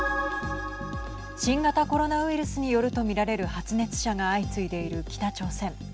新型コロナウイルスによるとみられる発熱者が相次いでいる北朝鮮。